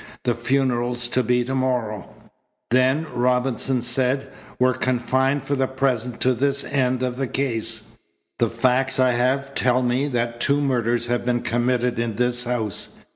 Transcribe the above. The funeral's to be to morrow." "Then," Robinson said, "we're confined for the present to this end of the case. The facts I have tell me that two murders have been committed in this house.